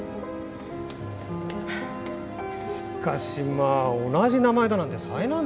しかしまあ同じ名前だなんて災難ですな。